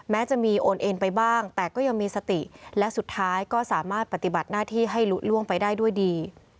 แม้จะมีโอนเอ็นไปบ้างแต่ก็ยังมีสติและสุดท้ายก็สามารถปฏิบัติหน้าที่ให้ลุล่วงไปได้ด้วยดี